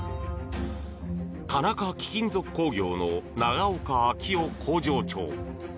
田中貴金属工業の長岡章夫工場長。